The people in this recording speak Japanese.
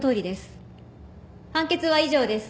判決は以上です。